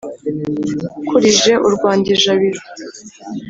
ukurije u rwanda ijabiro.